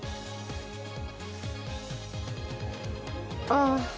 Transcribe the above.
ああ。